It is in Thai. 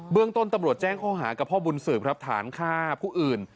เรื่องต้นตำรวจแจ้งข้อหากับพ่อบุญสืบครับฐานฆ่าผู้อื่น